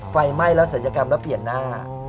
ไฟไหม้แล้วศัลยกรรมแล้วเปลี่ยนหน้า